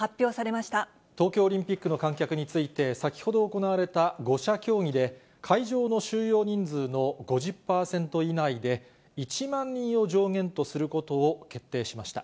東京オリンピックの観客について、先ほど行われた５者協議で、会場の収容人数の５０％以内で、１万人を上限とすることを決定しました。